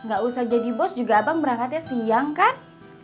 gak usah jadi bos juga abang berangkatnya siang kan